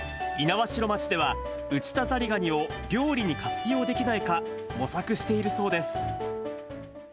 猪苗代町では、ウチダザリガニを料理に活用できないか、模索しているそうです。